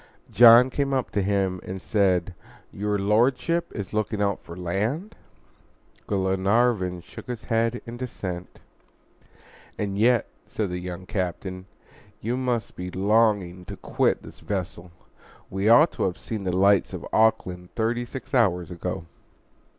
John came up to him and said, "Your Lordship is looking out for land?" Glenarvan shook his head in dissent. "And yet," said the young captain, "you must be longing to quit this vessel. We ought to have seen the lights of Auckland thirty six hours ago."